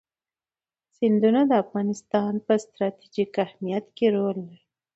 سیندونه د افغانستان په ستراتیژیک اهمیت کې رول لري.